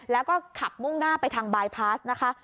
แล้วก็ขับมุ่งหน้าไปทางบายพาสนะคะ